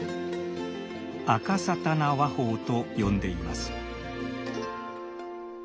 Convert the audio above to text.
「あ・か・さ・た・な話法」と呼んでいます。